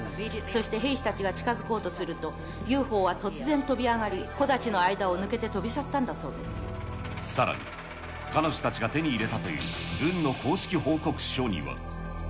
そして兵士たちが近づこうとすると、ＵＦＯは突然飛び上がり、木立の間を抜けて飛び去ったんだそうでさらに、彼女たちが手に入れたという軍の公式報告書には。